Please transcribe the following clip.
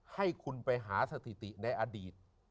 ให้คุณไปหาสถิติในอดีต